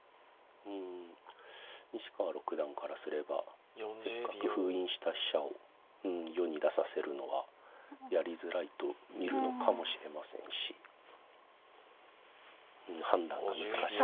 うん西川六段からすればせっかく封印した飛車を世に出させるのはやりづらいと見るのかもしれませんし判断が難しい。